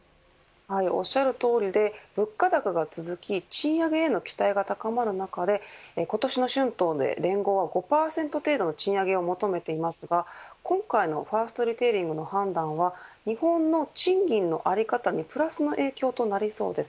おっしゃるとおりで物価高が続き賃上げへの期待が高まる中で今年の春闘で連合は５％程度の賃上げを求めていますが今回のファーストリテイリングの判断は日本の賃金の在り方にプラスの影響となりそうです。